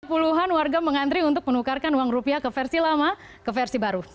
puluhan warga mengantri untuk menukarkan uang rupiah ke versi lama ke versi baru